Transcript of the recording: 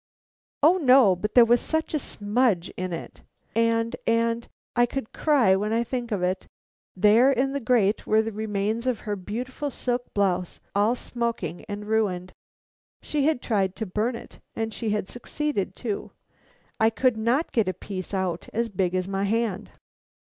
"O no, but there was such a smudge in it, and and I could cry when I think of it there in the grate were the remains of her beautiful silk blouse, all smoking and ruined. She had tried to burn it, and she had succeeded too. I could not get a piece out as big as my hand."